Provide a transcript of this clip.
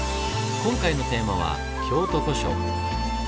今回のテーマは京都御所。